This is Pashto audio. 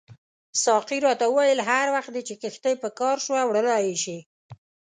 ساقي راته وویل هر وخت چې دې کښتۍ په کار شوه وړلای یې شې.